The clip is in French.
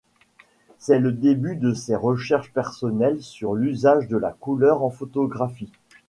C'est le début de ses recherches personnelles sur l'usage de la couleur en photographie.